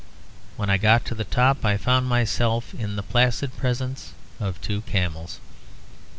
When I got to the top I found myself in the placid presence of two camels.